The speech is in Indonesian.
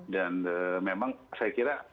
dan memang saya kira